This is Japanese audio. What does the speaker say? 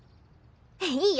いいよ。